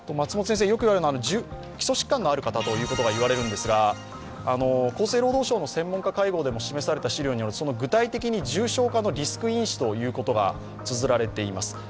よく基礎疾患のある方と言われますが、厚生労働省の専門家会合でも示された資料によるその具体的に重症化のリスク因子ということがつづられています。